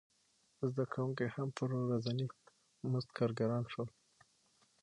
زده کوونکي هم په ورځیني مزد کارګران شول.